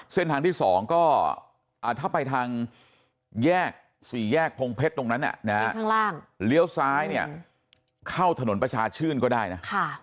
เส้นทางที่๒ก็ถ้าไปทางแยก๔แยกพงเพชรตรงนั้นเลี้ยวซ้ายเนี่ยเข้าถนนประชาชื่นก็ได้นะ